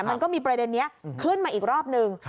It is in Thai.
มันก็มีประเด็นนี้ขึ้นมาอีกรอบนึง